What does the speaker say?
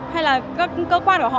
hay là các cơ quan của họ